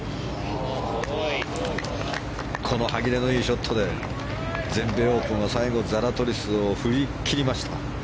この歯切れのいいショットで全米オープンでは最後、ザラトリスを振り切りました。